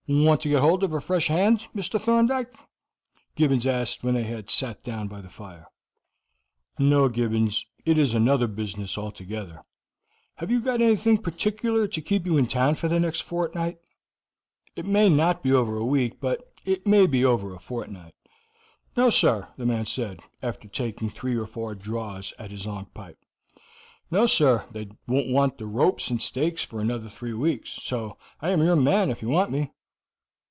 "Want to get hold of a fresh hand, Mr. Thorndyke?" Gibbons asked when they had sat down by the fire. "No, Gibbons, it is another business altogether. Have you got anything particular to keep you in town for the next fortnight? It may not be over a week, but it may be over a fortnight." "No, sir," the man said, after taking three or four draws at his long pipe. "No, sir; they won't want the ropes and stakes for another three weeks, so I am your man if you want me.